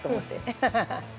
ハハハハ！